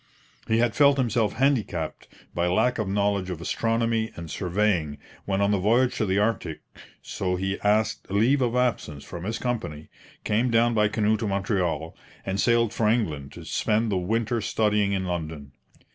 He had felt himself handicapped by lack of knowledge of astronomy and surveying when on the voyage to the Arctic, so he asked leave of absence from his company, came down by canoe to Montreal, and sailed for England to spend the winter studying in London.